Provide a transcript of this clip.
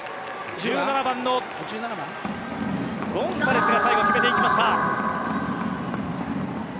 １７番のゴンサレスが最後決めていきました。